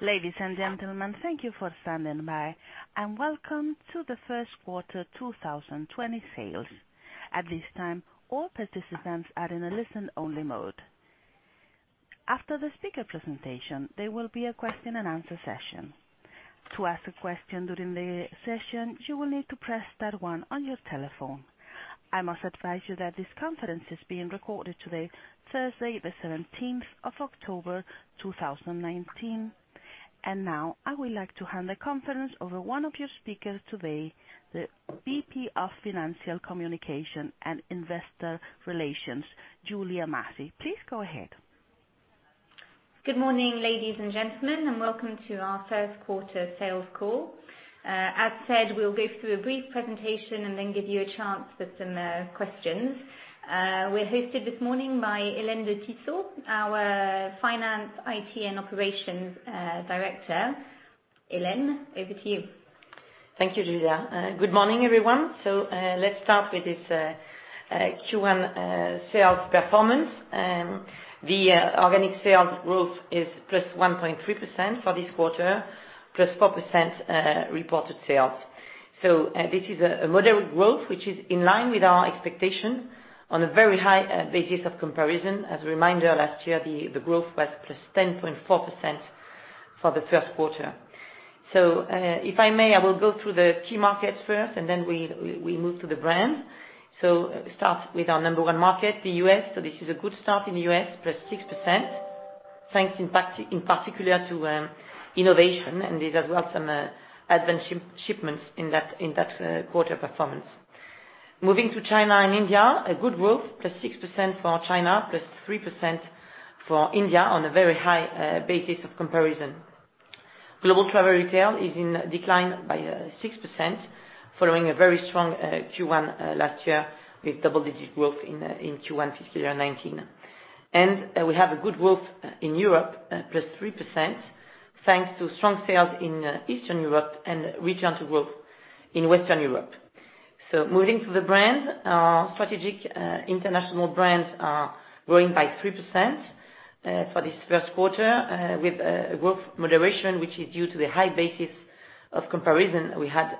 Ladies and gentlemen, thank you for standing by, and welcome to the first quarter 2020 sales. At this time, all participants are in a listen-only mode. After the speaker presentation, there will be a question and answer session. To ask a question during the session, you will need to press star one on your telephone. I must advise you that this conference is being recorded today, Thursday, the 17th of October, 2019. Now, I would like to hand the conference over one of your speakers today, the VP of Financial Communication and Investor Relations, Julia Massies. Please go ahead. Good morning, ladies and gentlemen. Welcome to our first quarter sales call. As said, we'll go through a brief presentation and then give you a chance with some questions. We're hosted this morning by Hélène de Tissot, our Finance, IT and Operations Director. Hélène, over to you. Thank you, Julia. Good morning, everyone. Let's start with this Q1 sales performance. The organic sales growth is +1.3% for this quarter, +4% reported sales. This is a moderate growth, which is in line with our expectation on a very high basis of comparison. As a reminder, last year, the growth was +10.4% for the first quarter. If I may, I will go through the key markets first, and then we move to the brand. Start with our number one market, the U.S. This is a good start in the U.S., +6%, thanks in particular to innovation and these as well some advanced shipments in that quarter performance. Moving to China and India, a good growth, +6% for China, +3% for India on a very high basis of comparison. Global travel retail is in decline by 6%, following a very strong Q1 last year with double-digit growth in Q1 fiscal year 2019. We have a good growth in Europe, +3%, thanks to strong sales in Eastern Europe and regional growth in Western Europe. Moving to the brand, our strategic international brands are growing by 3% for this first quarter, with a growth moderation, which is due to the high basis of comparison we had,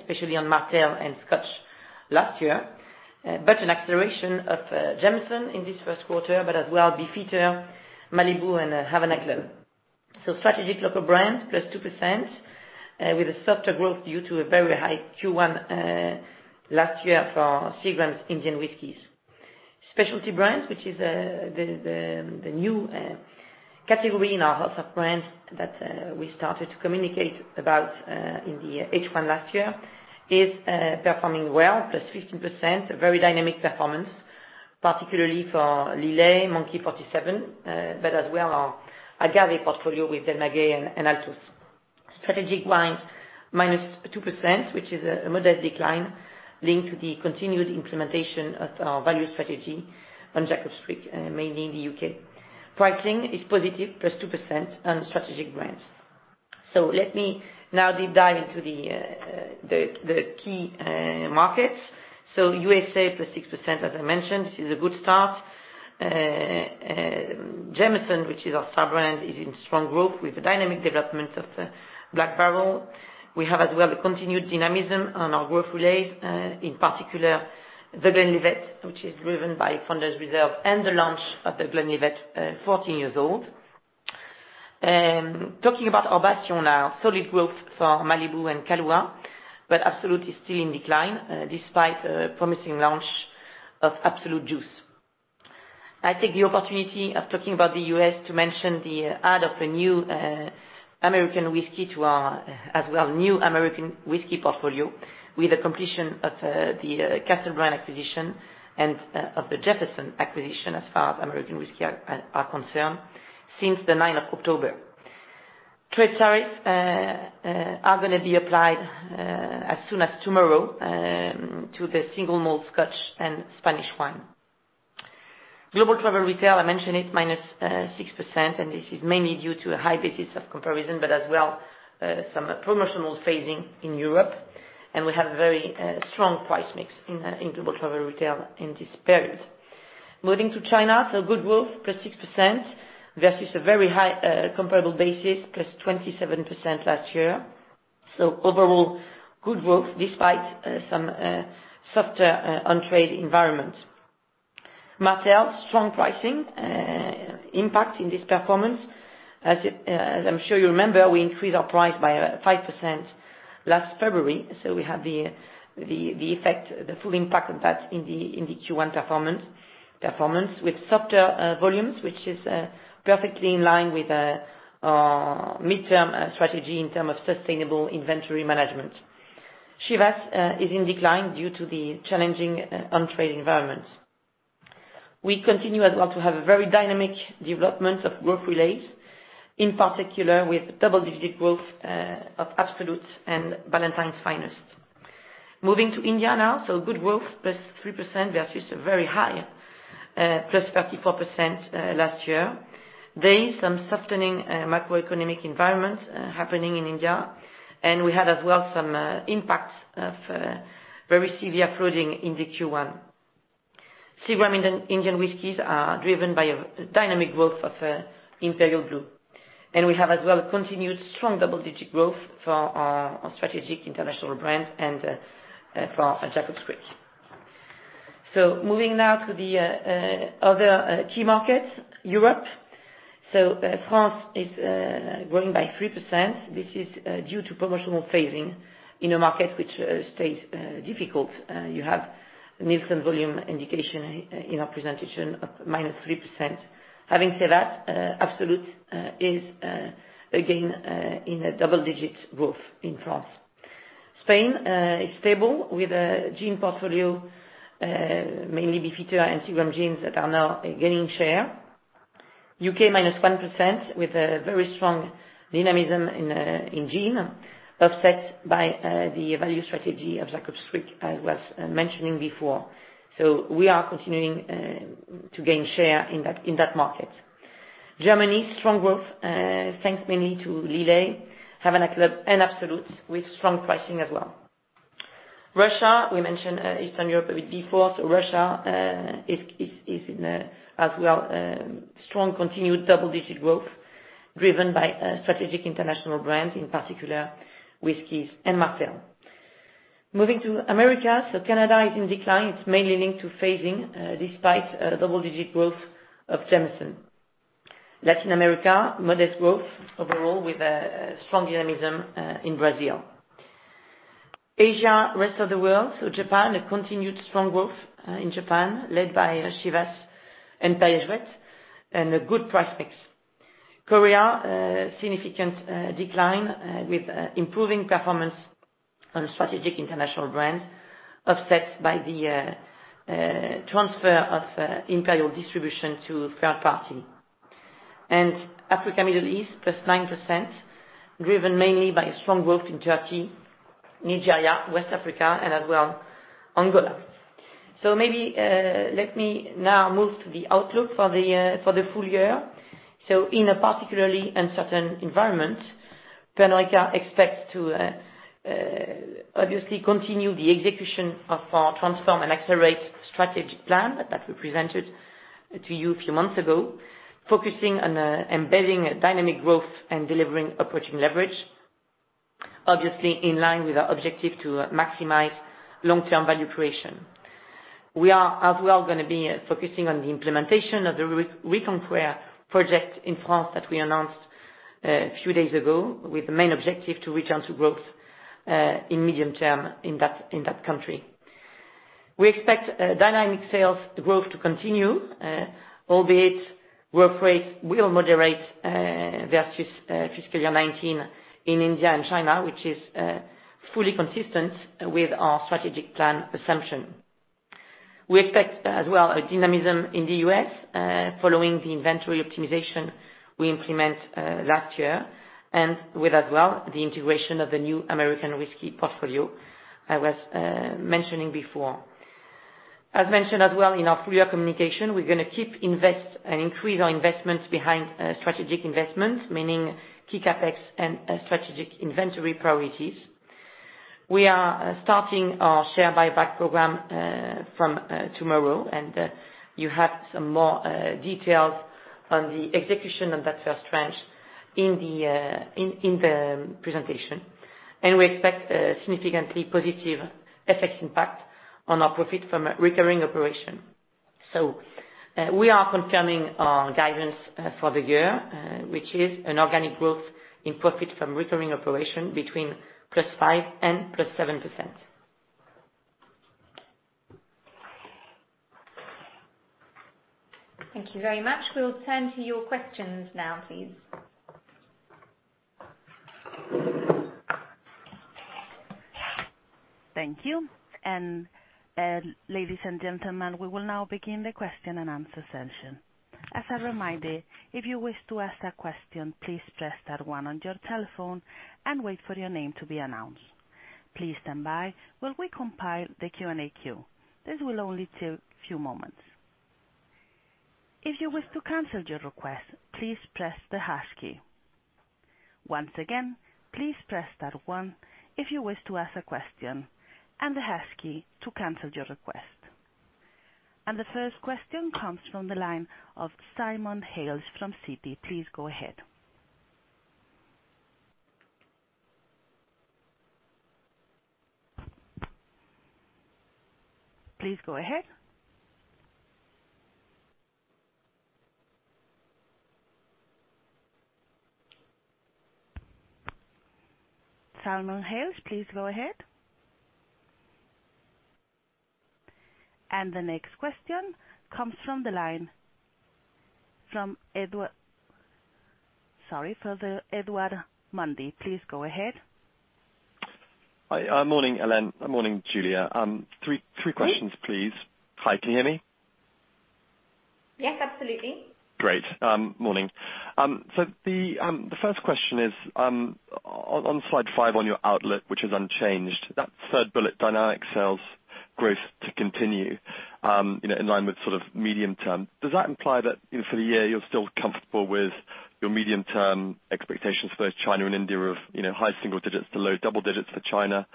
especially on Martell and Scotch last year. An acceleration of Jameson in this first quarter, but as well Beefeater, Malibu, and Havana Club. Strategic local brands, +2%, with a softer growth due to a very high Q1 last year for Seagram's Indian whiskies. Specialty brands, which is the new category in our house of brands that we started to communicate about in the H1 last year, is performing well, +15%. A very dynamic performance, particularly for Lillet, Monkey 47, but as well our agave portfolio with Del Maguey and Altos. Strategic wine, -2%, which is a modest decline linked to the continued implementation of our value strategy on Jacob's Creek, mainly in the U.K. Pricing is positive, +2% on strategic brands. Let me now deep dive into the key end markets. USA, +6%, as I mentioned. This is a good start. Jameson, which is our star brand, is in strong growth with the dynamic development of the Black Barrel. We have as well the continued dynamism on our growth relays, in particular The Glenlivet, which is driven by Founder's Reserve and the launch of The Glenlivet 14 Year Old. Talking about our bastion now, solid growth for Malibu and Kahlúa, but Absolut is still in decline, despite a promising launch of Absolut Juice. I take the opportunity of talking about the U.S. to mention the add of a new American whiskey to our as well new American whiskey portfolio with the completion of the Castle Brands acquisition and of the Jefferson's acquisition as far as American whiskey are concerned since the 9th of October. Trade tariffs are going to be applied as soon as tomorrow to the single malt Scotch and Spanish wine. Global travel retail, I mentioned it, -6%, and this is mainly due to a high basis of comparison, but as well some promotional phasing in Europe. We have very strong price mix in global travel retail in this period. Moving to China, good growth, +6% versus a very high comparable basis, +27% last year. Overall, good growth despite some softer on-trade environment. Martell, strong pricing impact in this performance. As I'm sure you remember, we increased our price by 5% last February, so we have the full impact of that in the Q1 performance with softer volumes, which is perfectly in line with our midterm strategy in term of sustainable inventory management. Chivas is in decline due to the challenging on-trade environment. We continue as well to have a very dynamic development of growth relays, in particular with double-digit growth of Absolut and Ballantine's Finest. Moving to India now, good growth, +3% versus a very high, +34% last year. There is some softening macroeconomic environment happening in India. We had as well some impacts of very severe flooding in the Q1. Seagram's Indian whiskies are driven by a dynamic growth of Imperial Blue. We have as well, continued strong double-digit growth for our strategic international brand and for Jacob's Creek. Moving now to the other key markets, Europe. France is growing by 3%. This is due to promotional phasing in a market which stays difficult. You have a Nielsen volume indication in our presentation of -3%. Having said that, Absolut is again in a double-digit growth in France. Spain is stable with a gin portfolio, mainly Beefeater and Seagram's gins that are now gaining share. U.K. is -1% with a very strong dynamism in gin, offset by the value strategy of Jacob's Creek, as I was mentioning before. We are continuing to gain share in that market. Germany, strong growth, thanks mainly to Lillet, Havana Club, and Absolut, with strong pricing as well. Russia, we mentioned Eastern Europe with default. Russia is in, as well, strong continued double-digit growth, driven by strategic international brands, in particular whiskeys and Martell. Moving to Americas. Canada is in decline. It's mainly linked to phasing, despite double-digit growth of Jameson. Latin America, modest growth overall with a strong dynamism in Brazil. Asia, rest of the world. Japan has continued strong growth in Japan, led by Chivas and good prospects. Korea, a significant decline with improving performance on strategic international brands offset by the transfer of Imperial distribution to third party. Africa, Middle East, +9%, driven mainly by strong growth in Turkey, Nigeria, West Africa and as well, Angola. Maybe let me now move to the outlook for the full year. In a particularly uncertain environment, Pernod Ricard expects to obviously continue the execution of our Transform and Accelerate strategic plan that we presented to you a few months ago, focusing on embedding dynamic growth and delivering approaching leverage, obviously in line with our objective to maximize long-term value creation. We are as well going to be focusing on the implementation of the Reconquer project in France that we announced a few days ago, with the main objective to return to growth in medium term in that country. We expect dynamic sales growth to continue, albeit growth rates will moderate versus fiscal year 2019 in India and China, which is fully consistent with our strategic plan assumption. We expect as well, a dynamism in the U.S. following the inventory optimization we implement last year, and with as well, the integration of the new American whiskey portfolio I was mentioning before. As mentioned as well in our full-year communication, we're going to keep invest and increase our investments behind strategic investments, meaning key CapEx and strategic inventory priorities. We are starting our share buyback program from tomorrow. You have some more details on the execution of that first tranche in the presentation. We expect a significantly positive FX impact on our profit from recurring operation. We are confirming our guidance for the year, which is an organic growth in profit from recurring operation between +5% and +7%. Thank you very much. We will turn to your questions now, please. Thank you. Ladies and gentlemen, we will now begin the question and answer session. As a reminder, if you wish to ask a question, please press star one on your telephone and wait for your name to be announced. Please stand by while we compile the Q&A queue. This will only take few moments. If you wish to cancel your request, please press the hash key. Once again, please press star one if you wish to ask a question, and the hash key to cancel your request. The first question comes from the line of Simon Hales from Citi. Please go ahead. Simon Hales, please go ahead. The next question comes from the line from [Edward Mundy]. Please go ahead. Morning, Hélène. Morning, Julia. Three questions, please. Hi, can you hear me? Yes, absolutely. Great. Morning. The first question is, on slide five on your outlook, which is unchanged, that third bullet, dynamic sales growth to continue in line with sort of medium term, does that imply that for the year you're still comfortable with your medium term expectations for both China and India of high single digits to low double digits for China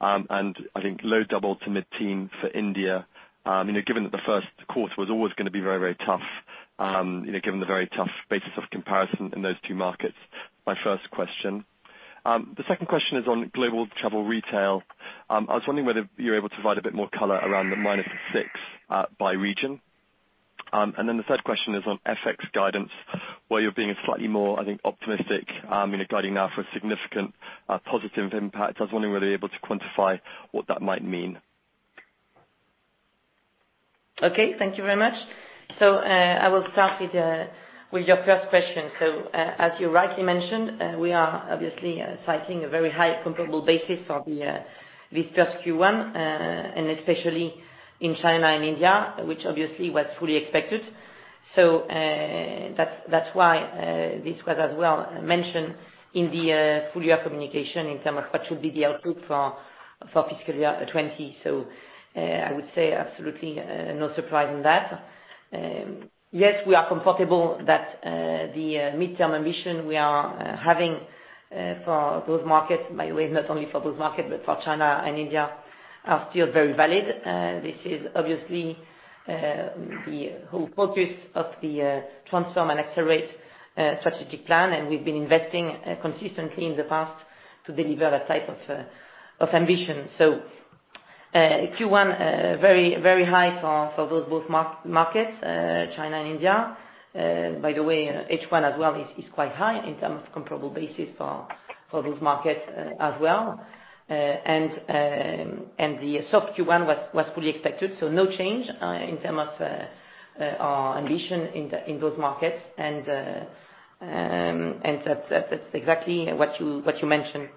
and I think low double to mid teen for India? Given that the first quarter was always going to be very tough given the very tough basis of comparison in those two markets, my first question. The second question is on global travel retail. I was wondering whether you're able to provide a bit more color around the -6% by region. The third question is on FX guidance, where you're being slightly more, I think, optimistic, guiding now for significant positive impact. I was wondering whether you're able to quantify what that might mean? Okay. Thank you very much. I will start with your first question. As you rightly mentioned, we are obviously citing a very high comparable basis for this first Q1, and especially in China and India, which obviously was fully expected. That's why this was as well mentioned in the full-year communication in terms of what should be the output for fiscal year 2020. I would say absolutely no surprise on that. Yes, we are comfortable that the midterm ambition we are having for those markets, by the way, not only for those markets but for China and India, are still very valid. This is obviously the whole purpose of the Transform and Accelerate strategic plan, and we've been investing consistently in the past to deliver that type of ambition. Q1, very high for those both markets, China and India. H1 as well is quite high in terms of comparable basis for those markets as well. The soft Q1 was fully expected, no change in terms of our ambition in those markets. That's exactly what you mentioned.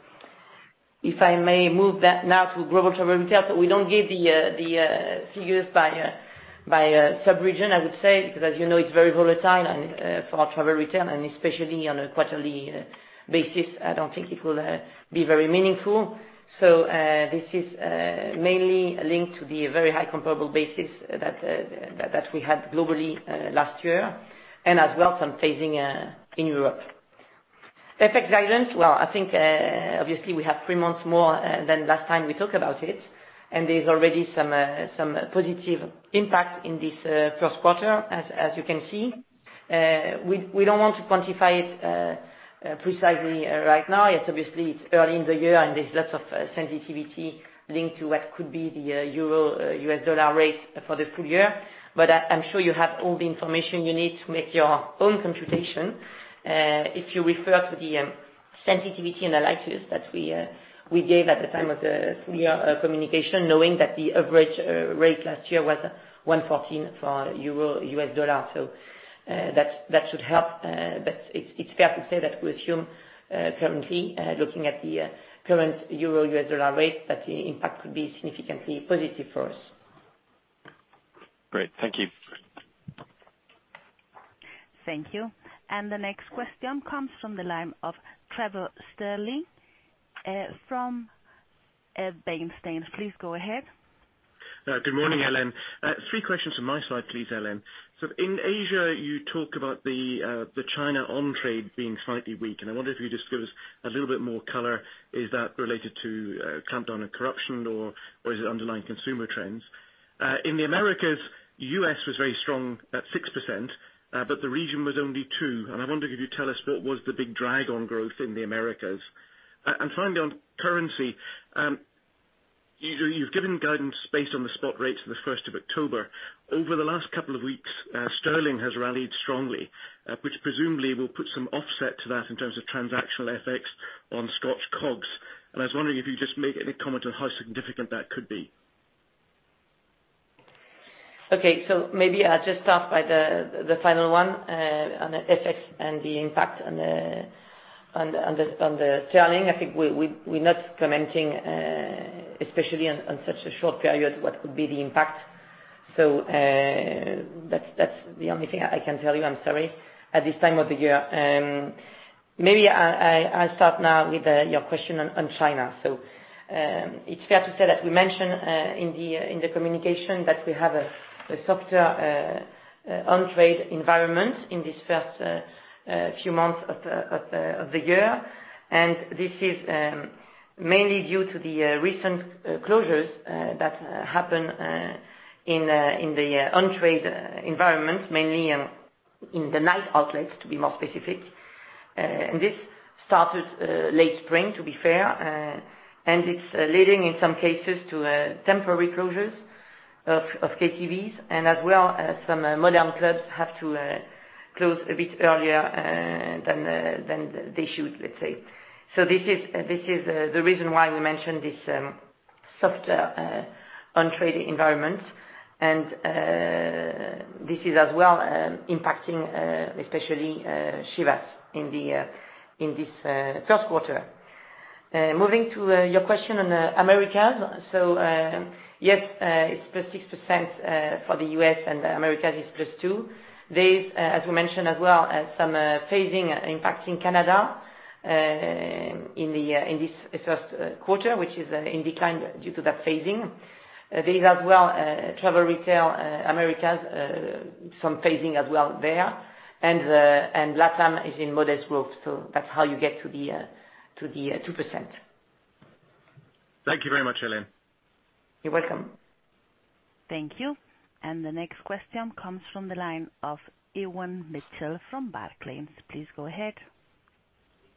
If I may move now to global travel retail, we don't give the figures by sub-region, I would say, because as you know it's very volatile for our travel retail and especially on a quarterly basis, I don't think it will be very meaningful. This is mainly linked to the very high comparable basis that we had globally last year, and as well some phasing in Europe. FX guidance, well, I think, obviously, we have three months more than last time we talk about it, and there's already some positive impact in this first quarter, as you can see. We don't want to quantify it precisely right now. Obviously, it's early in the year and there's lots of sensitivity linked to what could be the EUR-USD rate for the full year. I'm sure you have all the information you need to make your own computation. If you refer to the sensitivity analysis that we gave at the time of the full-year communication, knowing that the average rate last year was $1.14 for EUR-USD. That should help. It's fair to say that we assume currently, looking at the current EUR-USD rate, that the impact could be significantly positive for us. Great. Thank you. Thank you. The next question comes from the line of Trevor Stirling from Bernstein. Please go ahead. Good morning, Hélène. Three questions from my side, please, Hélène. In Asia, you talk about the China on-trade being slightly weak, and I wonder if you just give us a little bit more color. Is that related to clampdown on corruption or is it underlying consumer trends? In the Americas, U.S. was very strong at 6%, but the region was only 2%. I wonder if you could tell us what was the big drag on growth in the Americas. Finally, on currency, you've given guidance based on the spot rates the 1st of October. Over the last couple of weeks, sterling has rallied strongly, which presumably will put some offset to that in terms of transactional FX on Scotch COGS. I was wondering if you just make any comment on how significant that could be. Maybe I'll just start by the final one, on the FX and the impact on the sterling. I think we're not commenting, especially on such a short period, what could be the impact. That's the only thing I can tell you, I'm sorry, at this time of the year. Maybe I'll start now with your question on China. It's fair to say that we mentioned in the communication that we have a softer on-trade environment in this first few months of the year. This is mainly due to the recent closures that happen in the on-trade environment, mainly in the night outlets, to be more specific. This started late spring, to be fair, and it's leading in some cases to temporary closures of KTVs and as well, some modern clubs have to close a bit earlier than they should, let's say. This is the reason why we mentioned this softer on-trade environment. This is as well impacting especially Chivas in this first quarter. Moving to your question on Americas. Yes, it's +6% for the U.S. and Americas is +2%. This, as we mentioned as well, some phasing impacting Canada in this first quarter, which is in decline due to that phasing. There is as well travel retail Americas, some phasing as well there. LATAM is in modest growth, so that's how you get to the 2%. Thank you very much, Hélène. You're welcome. Thank you. The next question comes from the line of Ewan Mitchell from Barclays. Please go ahead.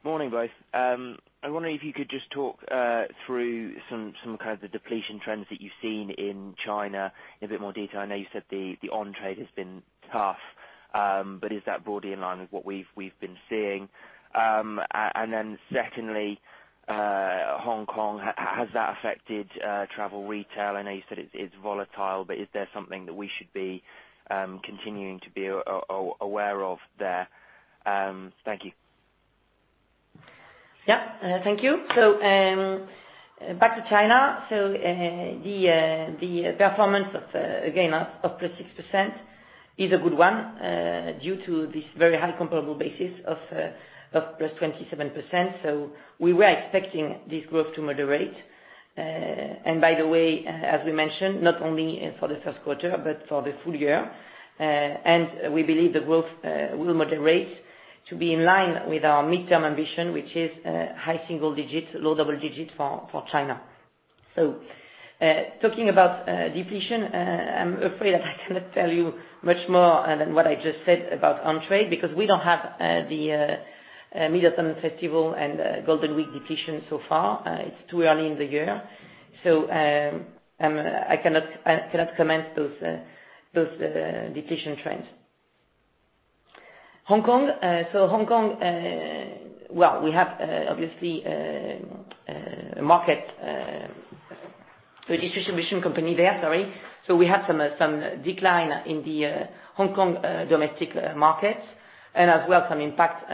Morning, both. I wonder if you could just talk through some of the depletion trends that you've seen in China in a bit more detail. I know you said the on-trade has been tough, but is that broadly in line with what we've been seeing? Secondly, Hong Kong, has that affected travel retail? I know you said it's volatile, but is there something that we should be continuing to be aware of there? Thank you. Yeah. Thank you. Back to China. The performance of, again, up +6% is a good one due to this very high comparable basis of +27%. We were expecting this growth to moderate. By the way, as we mentioned, not only for the first quarter but for the full year. We believe the growth will moderate to be in line with our midterm ambition, which is high single digits, low double digits for China. Talking about depletion, I'm afraid I cannot tell you much more than what I just said about on-trade, because we don't have the Mid-Autumn Festival and Golden Week depletion so far. It's too early in the year. I cannot comment those depletion trends. Hong Kong. Hong Kong, well, we have obviously a market, a distribution company there, sorry. We have some decline in the Hong Kong domestic market and as well as some impact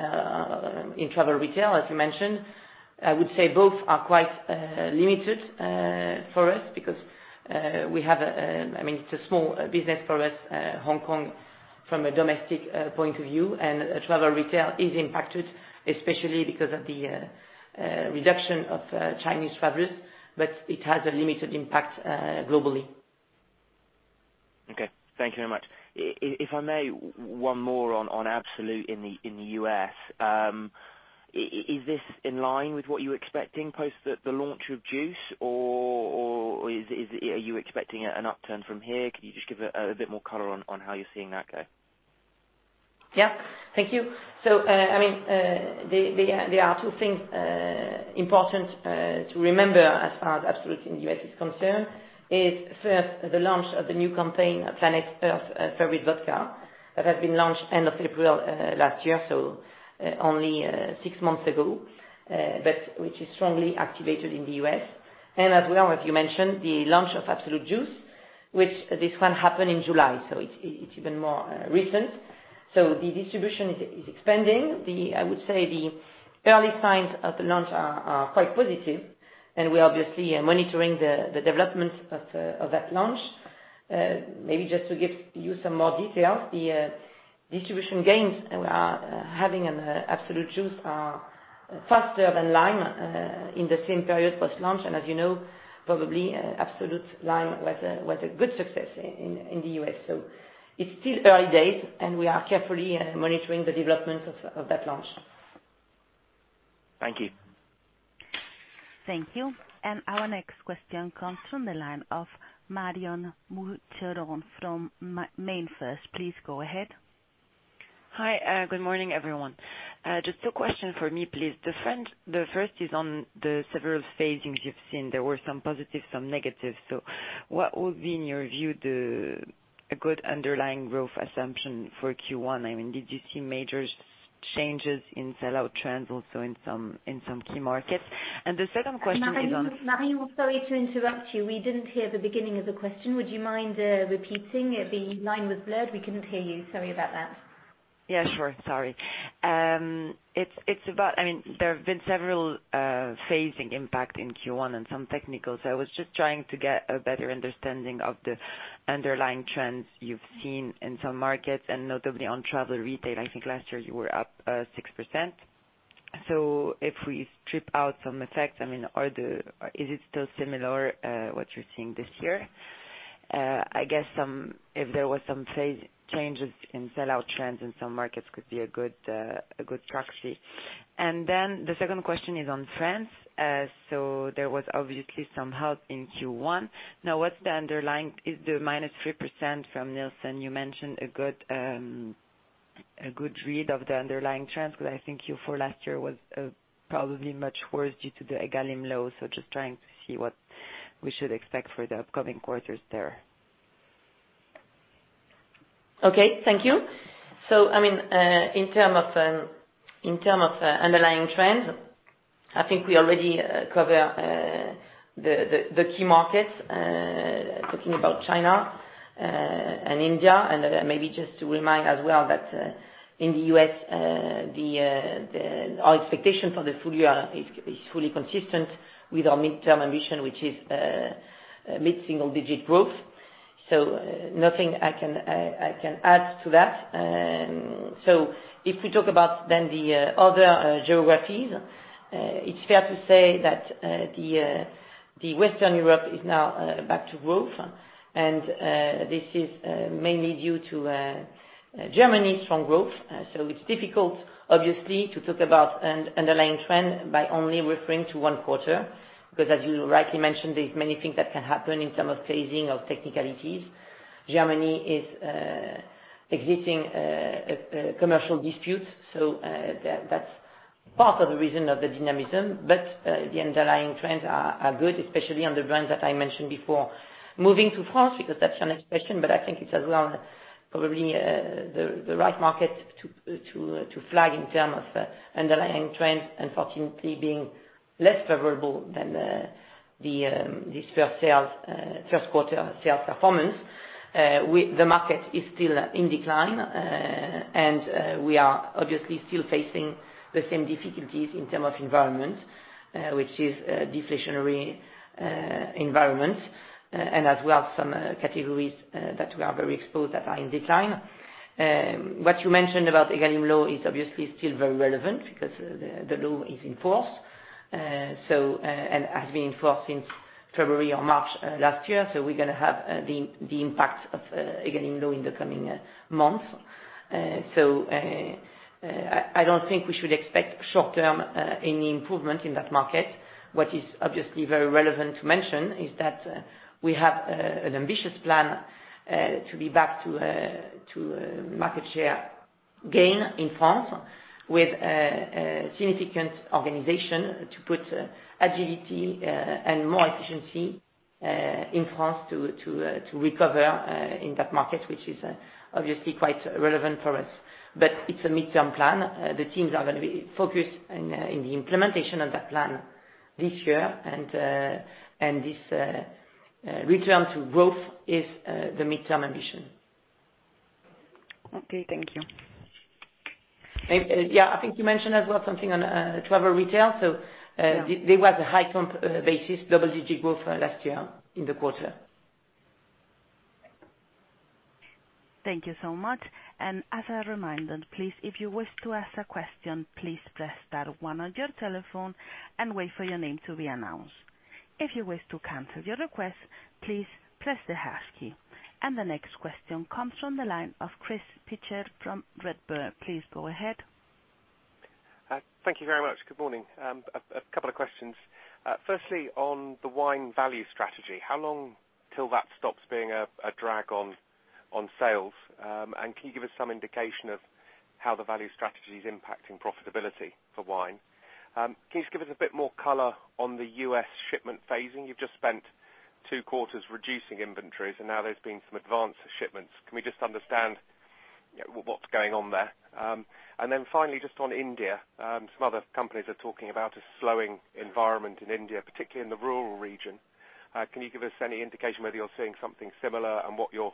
in travel retail as you mentioned. I would say both are quite limited for us because it's a small business for us, Hong Kong, from a domestic point of view. Travel retail is impacted especially because of the reduction of Chinese travelers. It has a limited impact globally. Okay. Thank you very much. If I may, one more on Absolut in the U.S. Is this in line with what you're expecting post the launch of Juice? Are you expecting an upturn from here? Can you just give a bit more color on how you're seeing that go? Yeah. Thank you. There are two things important to remember as far as Absolut in the U.S. is concerned. First, the launch of the new campaign, Planet Earth's Favorite Vodka. That has been launched end of April last year, so only six months ago, but which is strongly activated in the U.S. As well, as you mentioned, the launch of Absolut Juice, which this one happened in July, so it's even more recent. The distribution is expanding. I would say the early signs of the launch are quite positive, and we obviously are monitoring the development of that launch. Maybe just to give you some more details, the distribution gains we are having on Absolut Juice are faster than lime in the same period post-launch. As you know, probably Absolut Lime was a good success in the U.S. It's still early days, and we are carefully monitoring the development of that launch. Thank you. Thank you. Our next question comes from the line of Marion Boucheron from MainFirst. Please go ahead. Hi. Good morning, everyone. Just two questions from me, please. The first is on the several phasings you've seen. There were some positive, some negatives. What would be, in your view, a good underlying growth assumption for Q1? Did you see major changes in sell-out trends also in some key markets? The second question is on- Marion, sorry to interrupt you. We didn't hear the beginning of the question. Would you mind repeating it? The line was blurred. We couldn't hear you. Sorry about that. Yeah, sure. Sorry. There have been several phasing impact in Q1 and some technicals. I was just trying to get a better understanding of the underlying trends you've seen in some markets, and notably on travel retail. I think last year you were up 6%. If we strip out some effects, is it still similar, what you're seeing this year? I guess if there was some changes in sell-out trends in some markets could be a good proxy. The second question is on France. There was obviously some help in Q1. Now, what's the underlying? Is the -3% from Nielsen, you mentioned, a good read of the underlying trends? I think Q4 last year was probably much worse due to the Egalim Law. Just trying to see what we should expect for the upcoming quarters there. Okay. Thank you. In terms of underlying trends, I think we already covered the key markets, talking about China and India. Maybe just to remind as well that in the U.S., our expectation for the full year is fully consistent with our midterm ambition, which is mid-single digit growth. Nothing I can add to that. If we talk about the other geographies, it's fair to say that Western Europe is now back to growth. This is mainly due to Germany's strong growth. It's difficult, obviously, to talk about an underlying trend by only referring to one quarter. Because as you rightly mentioned, there's many things that can happen in terms of phasing of technicalities. Germany existing commercial disputes. That's part of the reason of the dynamism. The underlying trends are good, especially on the brands that I mentioned before. Moving to France, because that's your next question, but I think it's as well, probably the right market to flag in terms of underlying trends unfortunately being less favorable than this first quarter sales performance. The market is still in decline, and we are obviously still facing the same difficulties in terms of environment, which is a deflationary environment, and as well, some categories that we are very exposed at are in decline. What you mentioned about Egalim Law is obviously still very relevant because the law is in force, and has been in force since February or March last year. We're going to have the impact of Egalim Law in the coming months. I don't think we should expect short-term any improvement in that market. What is obviously very relevant to mention is that we have an ambitious plan to be back to market share gain in France with a significant organization to put agility and more efficiency in France to recover in that market, which is obviously quite relevant for us. It's a midterm plan. The teams are going to be focused in the implementation of that plan this year, and this return to growth is the midterm ambition. Okay, thank you. Yeah, I think you mentioned as well something on travel retail. Yeah. There was a high comp basis, double-digit growth last year in the quarter. Thank you so much. As a reminder, please, if you wish to ask a question, please press star one on your telephone and wait for your name to be announced. If you wish to cancel your request, please press the hash key. The next question comes from the line of Chris Pitcher from Redburn. Please go ahead. Thank you very much. Good morning. A couple of questions. Firstly, on the wine value strategy, how long till that stops being a drag on sales? Can you give us some indication of how the value strategy is impacting profitability for wine? Can you just give us a bit more color on the U.S. shipment phasing? You've just spent two quarters reducing inventories, and now there's been some advance shipments. Can we just understand what's going on there? Finally, just on India. Some other companies are talking about a slowing environment in India, particularly in the rural region. Can you give us any indication whether you're seeing something similar and what your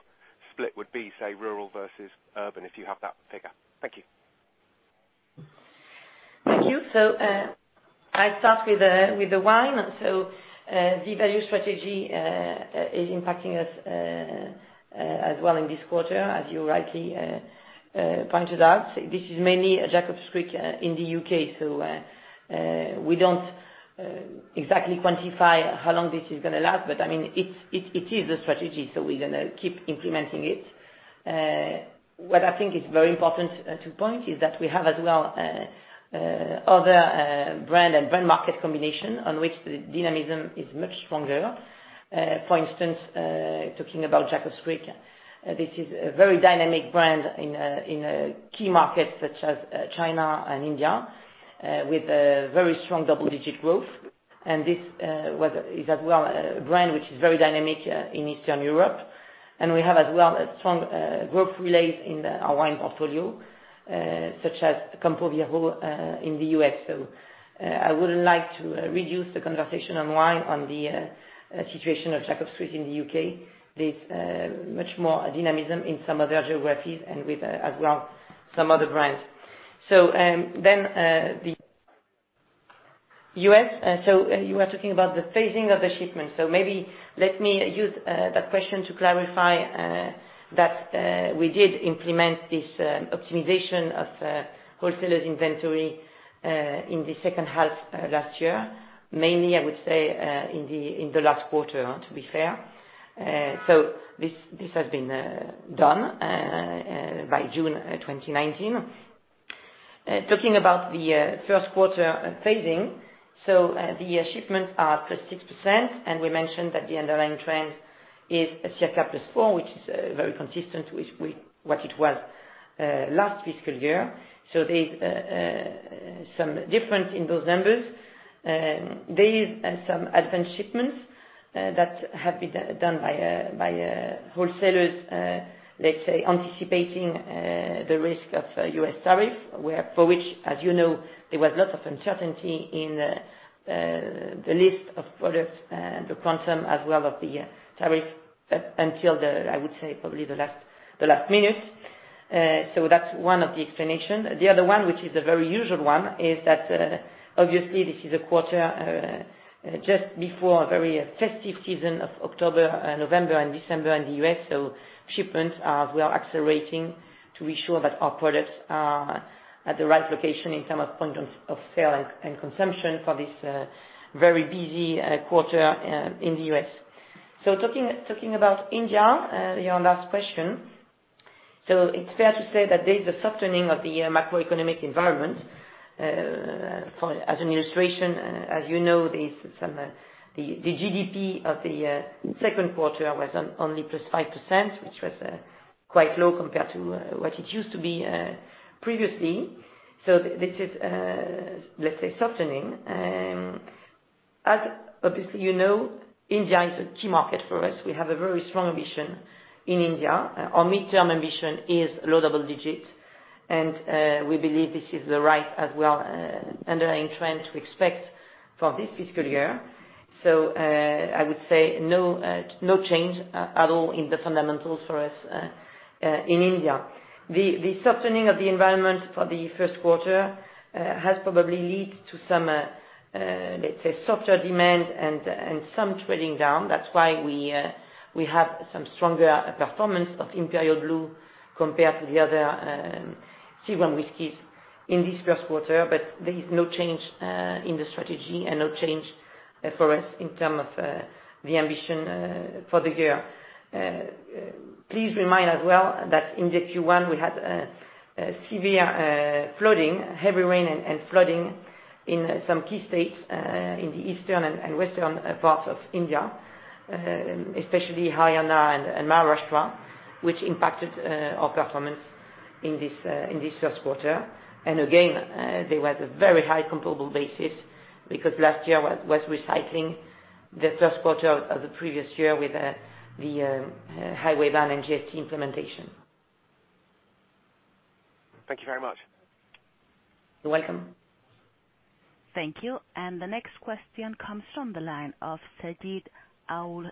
split would be, say, rural versus urban, if you have that figure? Thank you. Thank you. I'll start with the wine. The value strategy is impacting us as well in this quarter, as you rightly pointed out. This is mainly Jacob's Creek in the U.K. We don't exactly quantify how long this is going to last. It is a strategy, so we're going to keep implementing it. What I think is very important to point is that we have as well other brand and brand market combination on which the dynamism is much stronger. For instance, talking about Jacob's Creek, this is a very dynamic brand in key markets such as China and India with a very strong double-digit growth. This is as well a brand which is very dynamic in Eastern Europe. We have as well a strong growth relays in our wine portfolio, such as Campo Viejo in the U.S. I wouldn't like to reduce the conversation on wine on the situation of Jacob's Creek in the U.K. There's much more dynamism in some other geographies and with as well some other brands. The U.S. You are talking about the phasing of the shipment. Maybe let me use that question to clarify that we did implement this optimization of wholesalers inventory in the second half last year. Mainly, I would say, in the last quarter, to be fair. This has been done by June 2019. Talking about the first quarter phasing, the shipments are +6%, and we mentioned that the underlying trend is a share gap +4, which is very consistent with what it was last fiscal year. There's some difference in those numbers. There is some advanced shipments that have been done by wholesalers, let's say, anticipating the risk of U.S. tariff, for which, as you know, there was a lot of uncertainty in the list of products and the quantum as well of the tariff until the, I would say probably the last minute. That's one of the explanation. The other one, which is a very usual one, is that obviously this is a quarter just before a very festive season of October, November and December in the U.S. Shipments are well accelerating to be sure that our products are at the right location in term of point of sale and consumption for this very busy quarter in the U.S. Talking about India, your last question. It's fair to say that there's a softening of the macroeconomic environment. As an illustration, as you know, the GDP of the second quarter was only +5%, which was quite low compared to what it used to be previously. This is, let's say, softening. Obviously you know, India is a key market for us. We have a very strong ambition in India. Our midterm ambition is low double digits, and we believe this is the right, as well, underlying trend to expect for this fiscal year. I would say no change at all in the fundamentals for us in India. The softening of the environment for the first quarter has probably led to some, let's say, softer demand and some trailing down. That's why we have some stronger performance of Imperial Blue compared to the other segment whiskies in this first quarter. There is no change in the strategy and no change for us in terms of the ambition for the year. Please remind as well that in the Q1, we had severe flooding, heavy rain and flooding in some key states, in the eastern and western parts of India, especially Haryana and Maharashtra, which impacted our performance in this first quarter. Again, there was a very high comparable basis because last year was recycling the first quarter of the previous year with the highway ban and GST implementation. Thank you very much. You're welcome. Thank you. The next question comes from the line of Sanjeet Aujla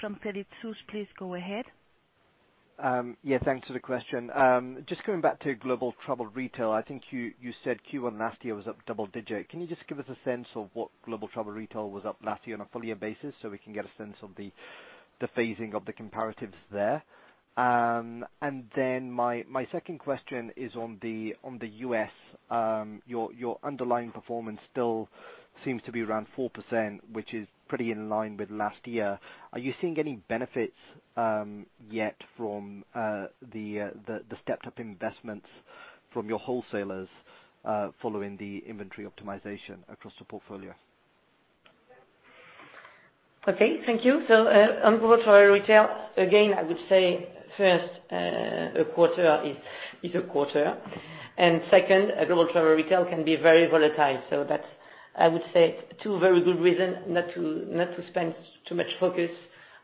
from Credit Suisse. Please go ahead. Thanks for the question. Just going back to global travel retail, I think you said Q1 last year was up double digit. Can you just give us a sense of what global travel retail was up last year on a full year basis so we can get a sense of the phasing of the comparatives there? My second question is on the U.S. Your underlying performance still seems to be around 4%, which is pretty in line with last year. Are you seeing any benefits yet from the stepped-up investments from your wholesalers following the inventory optimization across the portfolio? Thank you. On global travel retail, again, I would say first, a quarter is a quarter, and second, global travel retail can be very volatile. That's, I would say, two very good reason not to spend too much focus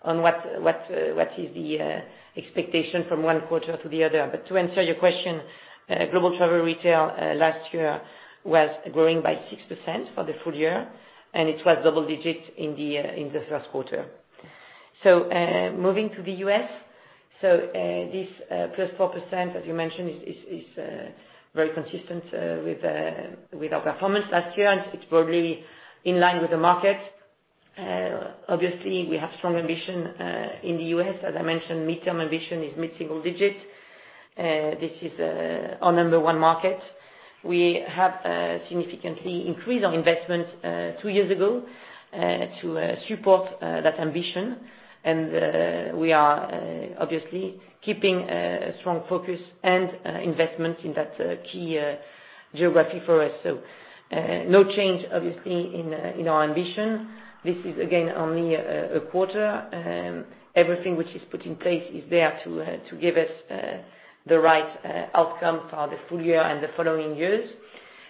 on what is the expectation from one quarter to the other. To answer your question, global travel retail last year was growing by 6% for the full year, and it was double digit in the first quarter. Moving to the U.S. This +4%, as you mentioned, is very consistent with our performance last year, and it's broadly in line with the market. Obviously, we have strong ambition in the U.S. As I mentioned, midterm ambition is mid-single digit. This is our number one market. We have significantly increased our investment two years ago to support that ambition, and we are obviously keeping a strong focus and investment in that key geography for us. No change, obviously, in our ambition. This is again, only a quarter. Everything which is put in place is there to give us the right outcome for the full year and the following years.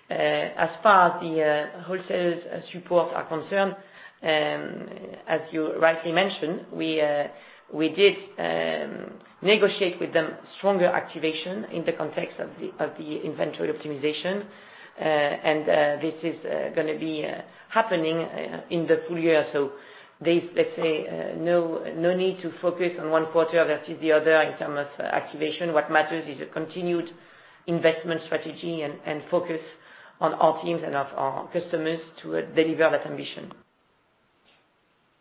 As far as the wholesalers support are concerned, as you rightly mentioned, we did negotiate with them stronger activation in the context of the inventory optimization. This is going to be happening in the full year. There is, let's say, no need to focus on one quarter versus the other in terms of activation. What matters is a continued investment strategy and focus on our teams and of our customers to deliver that ambition.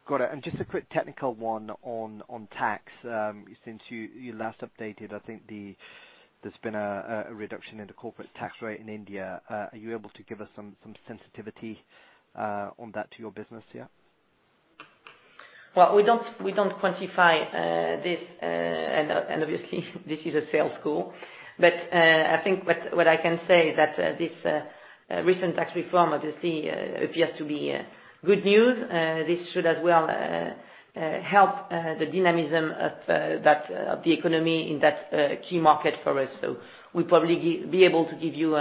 Got it. Just a quick technical one on tax. Since you last updated, I think there's been a reduction in the corporate tax rate in India. Are you able to give us some sensitivity on that to your business here? We don't quantify this, obviously this is a sales call, I think what I can say is that this recent tax reform obviously appears to be good news. This should as well help the dynamism of the economy in that key market for us. We'll probably be able to give you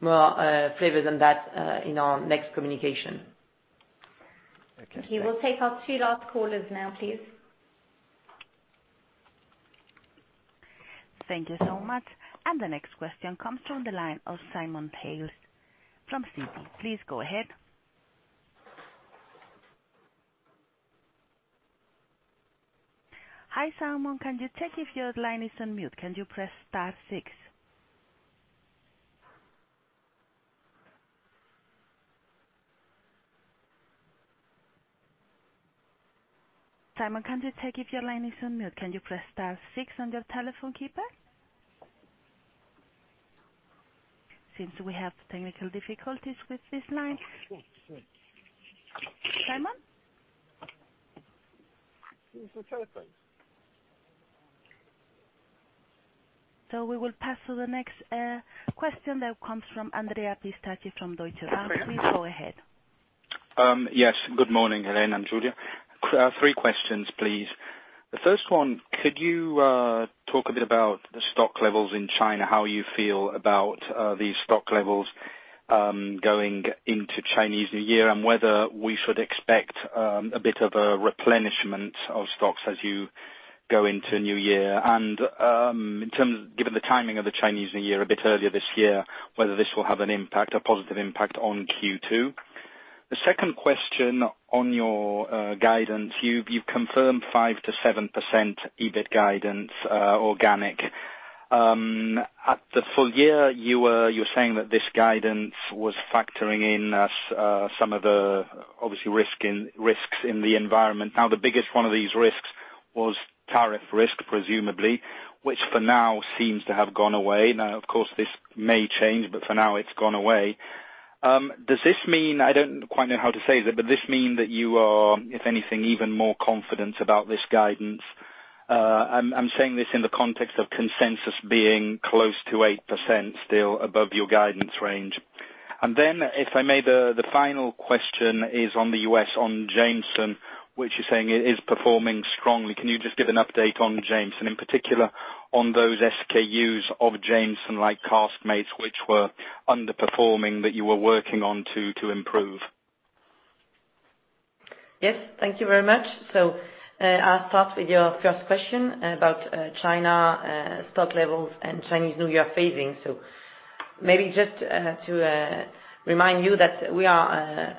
more flavor than that in our next communication. Okay. We'll take our two last callers now, please. Thank you so much. The next question comes from the line of Simon Hales from Citi. Please go ahead. Hi, Simon, can you check if your line is on mute? Can you press star six? Simon, can you check if your line is on mute? Can you press star six on your telephone keypad? Seems we have technical difficulties with this line. Simon? We will pass to the next question that comes from Andrea Pistacchi from Deutsche Bank. Please go ahead. Yes. Good morning, Hélène and Julia. Three questions, please. The first one, could you talk a bit about the stock levels in China, how you feel about these stock levels going into Chinese New Year, and whether we should expect a bit of a replenishment of stocks as you go into New Year? In terms, given the timing of the Chinese New Year a bit earlier this year, whether this will have an impact, a positive impact on Q2. The second question on your guidance. You've confirmed 5%-7% EBIT guidance organic. At the full year, you were saying that this guidance was factoring in some of the obviously risks in the environment. The biggest one of these risks was tariff risk, presumably, which for now seems to have gone away. Of course, this may change, but for now it's gone away. Does this mean, I don't quite know how to say this, but does this mean that you are, if anything, even more confident about this guidance? I'm saying this in the context of consensus being close to 8% still above your guidance range. If I may, the final question is on the U.S. on Jameson, which you're saying is performing strongly. Can you just give an update on Jameson, in particular on those SKUs of Jameson like Caskmates, which were underperforming that you were working on to improve? Yes, thank you very much. I'll start with your first question about China, stock levels and Chinese New Year phasing. Maybe just to remind you that we are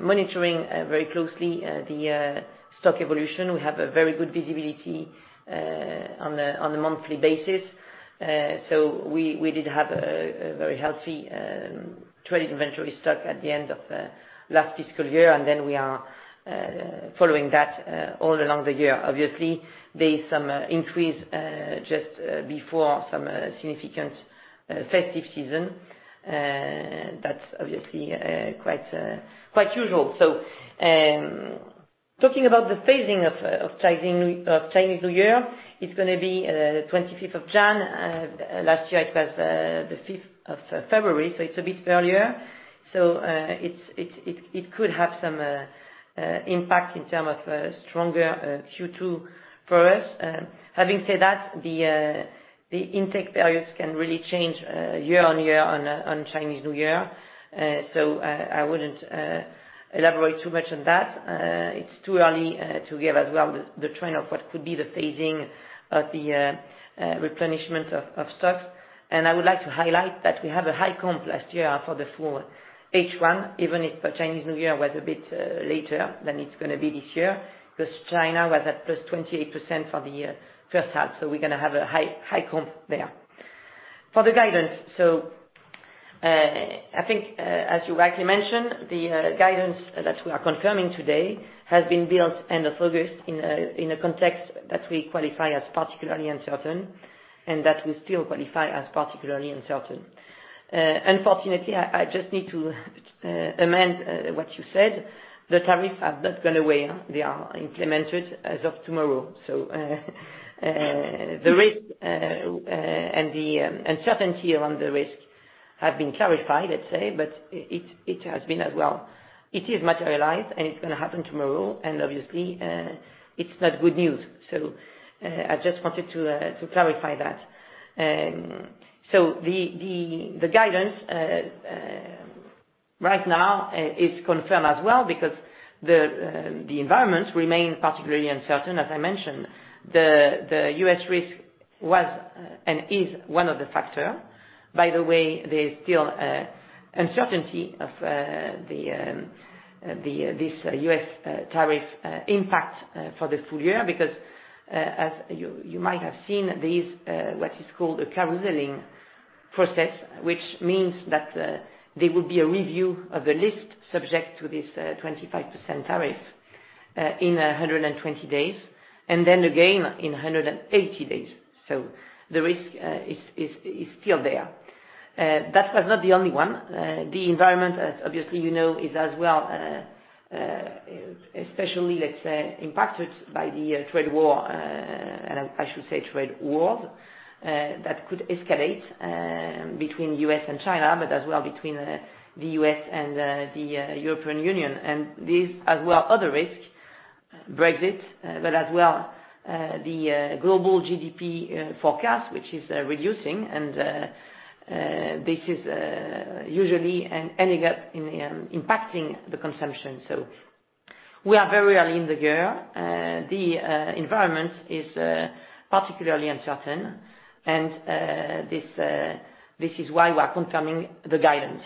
monitoring very closely the stock evolution. We have a very good visibility on a monthly basis. We did have a very healthy trading inventory stock at the end of last fiscal year, and then we are following that all along the year. Obviously, there is some increase just before some significant festive season. That's obviously quite usual. Talking about the phasing of Chinese New Year, it's going to be 25th of Jan. Last year it was the 5th of February, so it's a bit earlier. It could have some impact in terms of a stronger Q2 for us. Having said that, the intake periods can really change year on year on Chinese New Year. I wouldn't elaborate too much on that. It's too early to give as well the trend of what could be the phasing of the replenishment of stocks. I would like to highlight that we have a high comp last year for the full H1, even if the Chinese New Year was a bit later than it's going to be this year, because China was at +28% for the first half. We're going to have a high comp there. For the guidance, I think as you rightly mentioned, the guidance that we are confirming today has been built end of August in a context that we qualify as particularly uncertain, and that we still qualify as particularly uncertain. Unfortunately, I just need to amend what you said. The tariff has not gone away. They are implemented as of tomorrow. The risk and the uncertainty around the risk have been clarified, let's say. It has been as well. It is materialized, and it's going to happen tomorrow, and obviously, it's not good news. I just wanted to clarify that. The guidance right now is confirmed as well because the environment remains particularly uncertain, as I mentioned. The U.S. risk was, and is one of the factors. By the way, there's still uncertainty of this U.S. tariff impact for the full year because, as you might have seen, this what is called a carouseling process, which means that there will be a review of the list subject to this 25% tariff in 120 days, and then again in 180 days. The risk is still there. That was not the only one. The environment, as obviously you know is as well, especially, let's say, impacted by the trade war, and I should say trade wars that could escalate between U.S. and China, but as well between the U.S. and the European Union. These as well other risk, Brexit, but as well the global GDP forecast, which is reducing and this is usually ending up impacting the consumption. We are very early in the year. The environment is particularly uncertain and this is why we are confirming the guidance.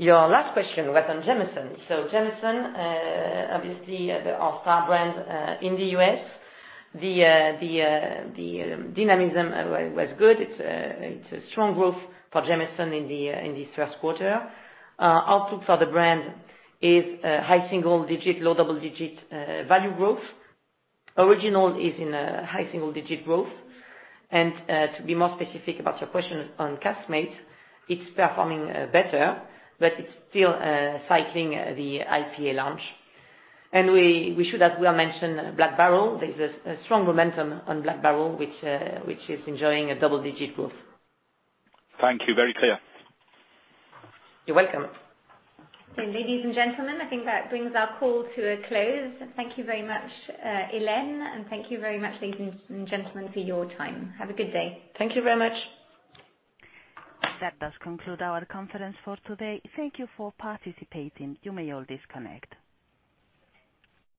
Your last question was on Jameson. Jameson, obviously our star brand in the U.S., the dynamism was good. It's a strong growth for Jameson in this first quarter. Outlook for the brand is high single digit, low double-digit value growth. Original is in a high single-digit growth. To be more specific about your question on Caskmates, it's performing better, but it's still cycling the IPA launch. We should as well mention Black Barrel. There's a strong momentum on Black Barrel, which is enjoying a double-digit growth. Thank you. Very clear. You're welcome. Ladies and gentlemen, I think that brings our call to a close. Thank you very much, Hélène, and thank you very much, ladies and gentlemen, for your time. Have a good day. Thank you very much. That does conclude our conference for today. Thank you for participating. You may all disconnect.